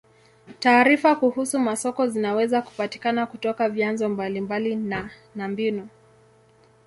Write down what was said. Taarifa kuhusu masoko zinaweza kupatikana kutoka vyanzo mbalimbali na na mbinu.